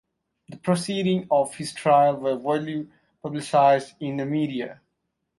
The proceedings of his trial were widely publicised in the media.